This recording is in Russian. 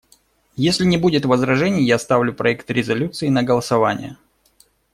Если не будет возражений, я ставлю проект резолюции на голосование.